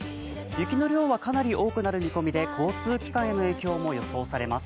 雪の量はかなり多くなる見込みで交通機関への影響も予想されます。